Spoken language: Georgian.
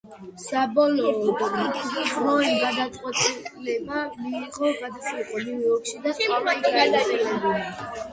საბოლოოდ, როიმ გადაწყვეტილება მიიღო გადასულიყო ნიუ იორკში და სწავლა იქ გაეგრძელებინა.